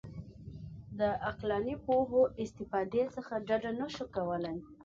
د عقلاني پوهو استفادې څخه ډډه نه شو کولای.